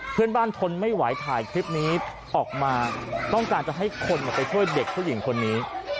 เพื่อนบ้านทนไม่ไหวถ่ายคลิปนี้ออกมาต้องการจะให้คนมาช่วยเด็กผู้หญิงคนนี้